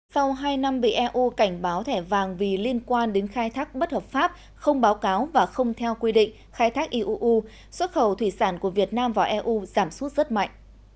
sau hai năm bị eu cảnh báo thẻ vàng vì liên quan đến khai thác bất hợp pháp không báo cáo và không theo quy định khai thác iuu xuất khẩu thủy sản của việt nam vào eu giảm sút rất mạnh